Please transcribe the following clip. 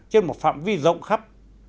trên một phạm vi rộng khắp